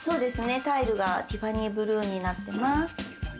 タイルがティファニーブルーになっています。